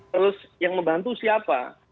terus yang membantu siapa